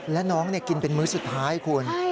และน้องกินเป็นมื้อสุดท้ายคุณ